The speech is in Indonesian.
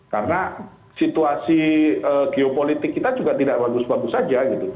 karena situasi geopolitik kita juga tidak bagus bagus saja